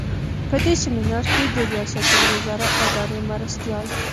په دې سمینار کې د ریاستالوزراء اداري مرستیال.